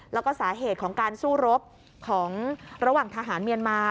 แล้วก็สาเหตุของการสู้รบของระหว่างทหารเมียนมา